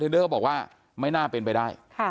อยู่ดีมาตายแบบเปลือยคาห้องน้ำได้ยังไง